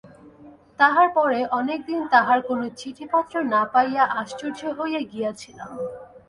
তাহার পরে অনেক দিন তাহার কোনো চিঠিপত্র না পাইয়া আশ্চর্য হইয়া গিয়াছিলাম।